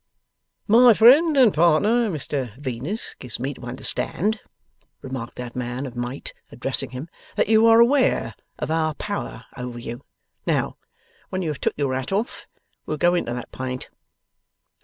'My friend and partner, Mr Venus, gives me to understand,' remarked that man of might, addressing him, 'that you are aware of our power over you. Now, when you have took your hat off, we'll go into that pint.